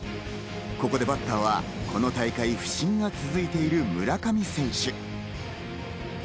ここでバッターはこの大会、不振が続いている、村上選手。